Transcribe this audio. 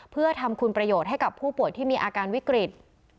เพื่อทำคุณประโยชน์ให้กับผู้ป่วยที่มีอาการวิกฤต